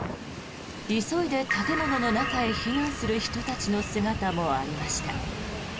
急いで建物の中へ避難する人たちの姿もありました。